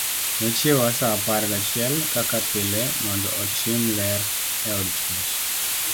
Nochiewa sa apar gachiel kaka pile mondo otim ler e od twech.